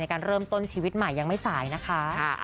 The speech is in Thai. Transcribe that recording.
การเริ่มต้นชีวิตใหม่ยังไม่สายนะคะ